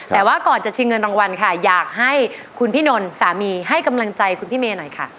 แต่ว่าก่อนจะชิงเงินรางวัลค่ะอยากให้คุณพี่นนท์สามีให้กำลังใจคุณพี่เมย์หน่อยค่ะ